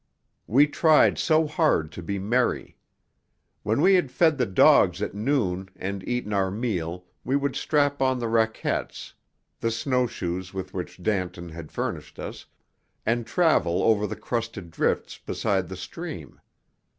We tried so hard to be merry. When we had fed the dogs at noon and eaten our meal we would strap on the raquettes, the snow shoes with which Danton had furnished us, and travel over the crusted drifts beside the stream.